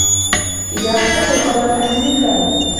إذَا أَحْسَنْت الْقَوْلَ فَأَحْسِنْ الْفِعْلَ